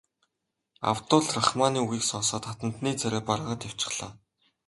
Абдул Рахманы үгийг сонсоод хатантны царай барайгаад явчихлаа.